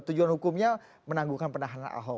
tujuan hukumnya menangguhkan penahanan ahok